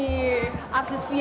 dan juga tidak mungkin